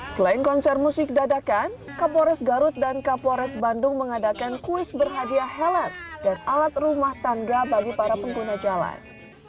selain konser musik dadakan kapolres garut dan kapolres bandung mengadakan kuis berhadiah helen dan alat rumah tangga bagi para pengguna jalan